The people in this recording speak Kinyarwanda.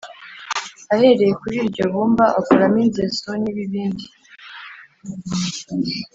ahereye kuri iryo bumba, akoramo inzeso n’ibibindi